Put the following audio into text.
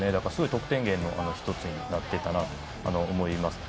得点源の１つになっていたなと思います。